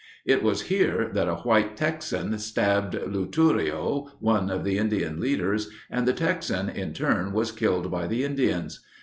It was here that a white Texan stabbed Luturio, one of the Indian leaders, and the Texan in turn was killed by the Indians.